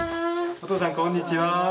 おとうさんこんにちは。